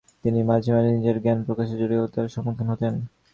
তিনি মাঝে মাঝে নিজের জ্ঞান প্রকাশে জটিলতার সম্মুখীন হতেন।